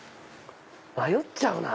迷っちゃうな。